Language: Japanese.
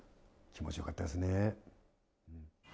気持ちよかったですね。